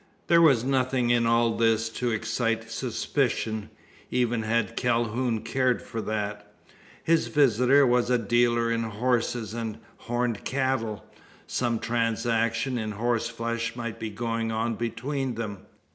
There was nothing in all this to excite suspicion even had Calhoun cared for that. His visitor was a dealer in horses and horned cattle. Some transaction in horseflesh might be going on between them.